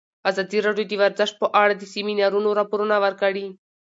ازادي راډیو د ورزش په اړه د سیمینارونو راپورونه ورکړي.